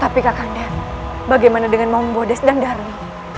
tapi kakak dan bagaimana dengan mambo des dan darno